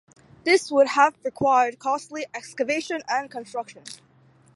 This would have required costly excavation and construction.